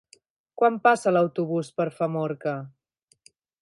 Quan passa l'autobús per Famorca?